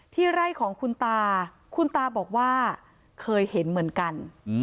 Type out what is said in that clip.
ไร่ของคุณตาคุณตาบอกว่าเคยเห็นเหมือนกัน